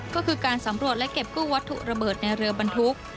ก็คือการสำรวจและเก็บกู้วัตถุระเบิดในเรือบรรทุก